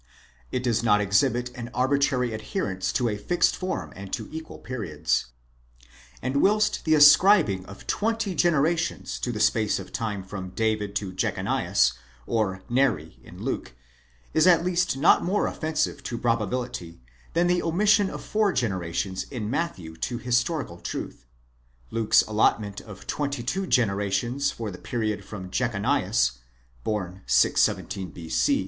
It does not exhibit an arbitrary adherence to 2 fixed form and to equal periods and whist the ascribing of twenty generations to the space of time from Davad to Jechonias cr Nem, in Lake, Κ at least not more offensive to probability, than the omission of four generations im Matthew to historical truth; Lake's allotment of twenty two generations for the period from Jechoniias (bora 617 B.